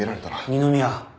二宮。